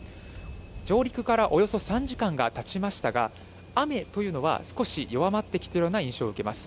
上陸からおよそ３時間がたちましたが、雨というのは少し弱まってきたような印象を受けます。